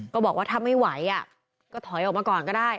ก็บอกว่าถ้าไม่ไหวก็ถอยออกมาก่อนก็ได้